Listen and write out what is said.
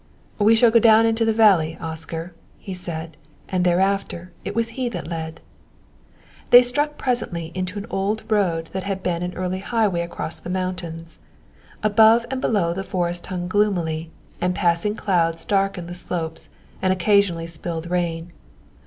"We shall go down into the valley, Oscar," he said; and thereafter it was he that led. They struck presently into an old road that had been an early highway across the mountains. Above and below the forest hung gloomily, and passing clouds darkened the slopes and occasionally spilled rain.